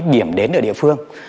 điểm đến ở địa phương